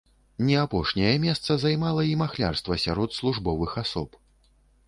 Не апошняе месца займала і махлярства сярод службовых асоб.